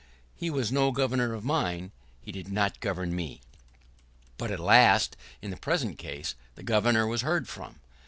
He was no Governor of mine. He did not govern me. [¶6] But at last, in the present case, the Governor was heard from.